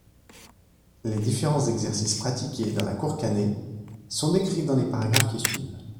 Les différents exercices pratiqués dans la zurkhaneh sont décrits dans les paragraphes qui suivent.